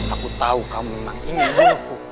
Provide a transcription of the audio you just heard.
aku tahu kamu memang ingin menunggu